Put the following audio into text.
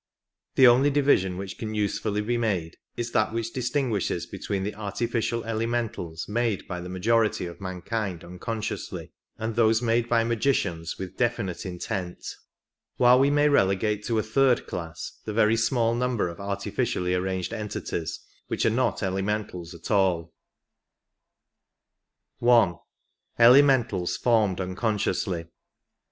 The only division which can be usefully made is that which distinguishes between the artificial elementals made by the majority of mankind unconsciously, and those made by magicians with definite intent ; while we may relegate to a third class the very small number of artificially arranged entities which are not elementals at all. I. Elementals formed unconsciously.